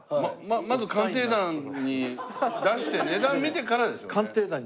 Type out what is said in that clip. まず『鑑定団』に出して値段見てからですよね。